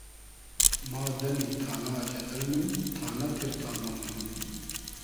ما دئمی تانا جئدئل نوم ، تانۂ تیر تامۉ مونوم